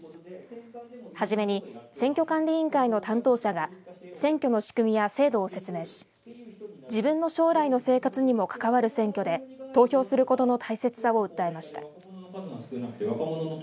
はじめに選挙管理委員会の担当者が選挙の仕組みや制度を説明し自分の将来の生活にも関わる選挙で投票することの大切さを訴えました。